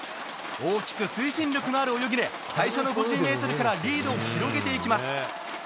大きく推進力のある泳ぎで最初の５０ｍからリードを広げていきます。